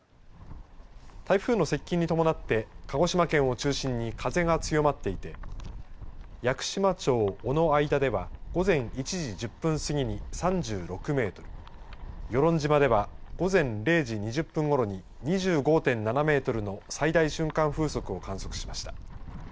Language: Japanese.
台風の接近に伴って鹿児島県を中心に風が強まっていて屋久島町尾之間では午前１時１０分過ぎに３６メートル与論島では午前０時２０分ごろに２５．７メートルの最大瞬間風速を観測しました。